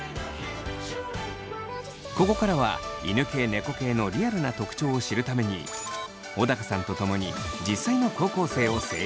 ここからは犬系・猫系のリアルな特徴を知るために小高さんと共に実際の高校生を生態チェック！